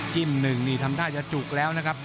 จิ้มหนึ่งนี่ทำหน้าจะจุกแล้วนะครับ